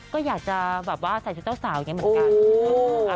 ก็อยากจะแบบว่าใส่ชุดเจ้าสาวอย่างนี้เหมือนกัน